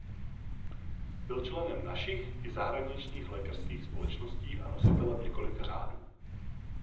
Byl členem našich i zahraničních lékařských společností a nositelem několika řádů.